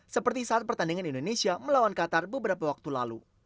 seperti saat pertandingan indonesia melawan qatar beberapa waktu lalu